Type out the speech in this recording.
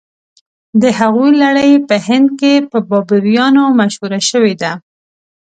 د هغوی لړۍ په هند کې په بابریانو مشهوره شوې ده.